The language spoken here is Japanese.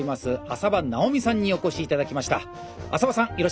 浅羽さん